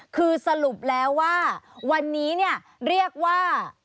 คือสรุปแล้วว่าวันนี้เนี่ยเรียกว่า